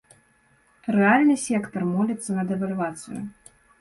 Рэальны сектар моліцца на дэвальвацыю.